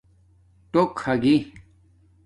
ٹݸک ھاگی